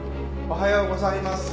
おはようございます。